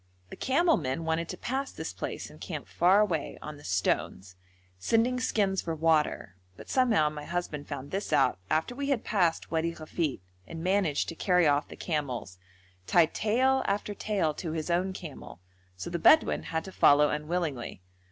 The camel men wanted to pass this place and camp far away on the stones, sending skins for water, but somehow my husband found this out after we had passed Wadi Ghafit, and managed to carry off the camels, tied tail after tail to his own camel, so the Bedouin had to follow unwillingly.